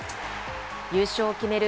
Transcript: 優勝を決める